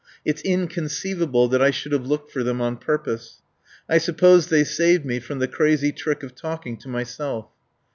It's inconceivable that I should have looked for them on purpose. I suppose they saved me from the crazy trick of talking to myself.